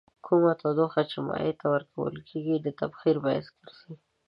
کومه تودوخه چې مایع ته ورکول کیږي د تبخیر باعث ګرځي.